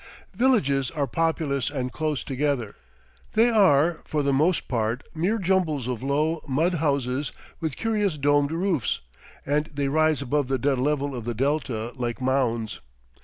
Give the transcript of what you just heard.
Villages are populous and close together. They are, for the most part, mere jumbles of low, mud houses with curious domed roofs, and they rise above the dead level of the delta like mounds.